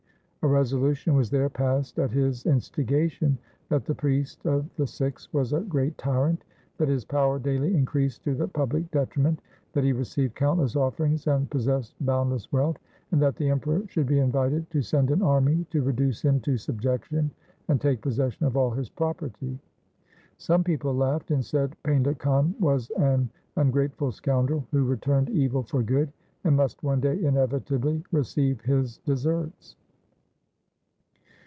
A resolu tion was there passed at his instigation, that the priest of the Sikhs was a great tyrant, that his power daily increased to the public detriment, that he received countless offerings and possessed bound less wealth, and that the Emperor should be invited to send an army to reduce him to subjection and take possession of all his property. Some people laughed, and said Painda Khan was an ungrateful scoundrel, who returned evil for good, and must one day inevitably receive his deserts.